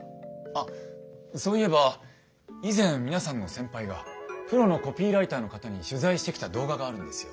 あっそういえば以前皆さんの先輩がプロのコピーライターの方に取材してきた動画があるんですよ。